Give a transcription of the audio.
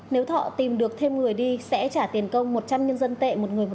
nếu thọ tìm được thêm người đi sẽ trả tiền công một trăm linh nhân dân tệ